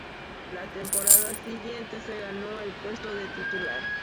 La temporada siguiente se ganó el puesto de titular.